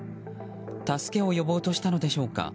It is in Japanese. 助けを呼ぼうとしたのでしょうか